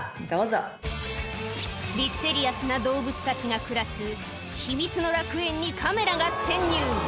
ミステリアスな動物たちが暮らす秘密の楽園にカメラが潜入